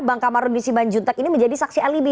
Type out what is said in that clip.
bang kamarudin siban juntek ini menjadi saksi alibi